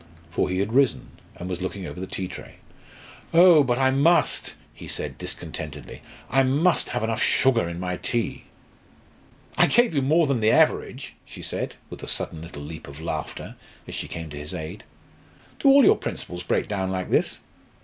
For he had risen, and was looking over the tea tray. "Oh! but I must," he said discontentedly. "I must have enough sugar in my tea!" "I gave you more than the average," she said, with a sudden little leap of laughter, as she came to his aid. "Do all your principles break down like this?